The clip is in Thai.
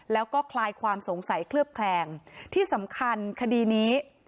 แล้วก็คลายความสงสัยเคลือบแคลงที่สำคัญคดีนี้